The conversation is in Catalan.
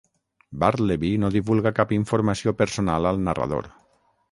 Bartleby no divulga cap informació personal al narrador.